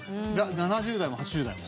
７０代も８０代も？